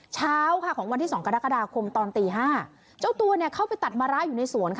เช้าค่ะของวันที่สองกรกฎาคมตอนตีห้าเจ้าตัวเนี่ยเข้าไปตัดมะระอยู่ในสวนค่ะ